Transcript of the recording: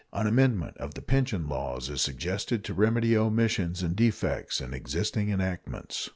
An amendment of the pension laws is suggested to remedy omissions and defects in existing enactments.